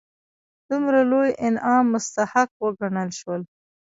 دومره لوی انعام مستحق وګڼل شول.